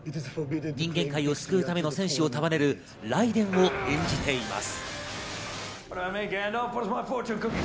人間界を救うための戦士を束ねるライデンを演じています。